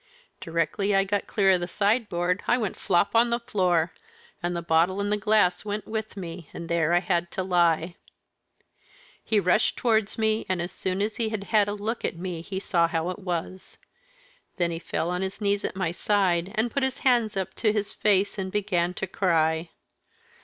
Directly I got clear of the sideboard I went flop on the floor, and the bottle and the glass went with me, and there I had to lie. He rushed towards me, and as soon as he had had a look at me he saw how it was. Then he fell on his knees at my side, and put his hands up to his face, and began to cry.